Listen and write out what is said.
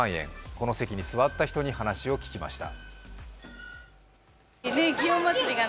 この席に座った人に話を聞きました。